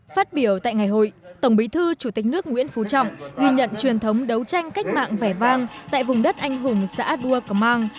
phát biểu tại ngày hội tổng bí thư chủ tịch nước nguyễn phú trọng ghi nhận truyền thống đấu tranh cách mạng vẻ vang tại vùng đất anh hùng xã đua cờ mang